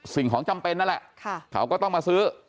สิ่งของจำเป็นนั่นแหละเขาก็ต้องมาซื้อ